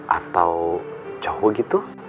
atau jauh gitu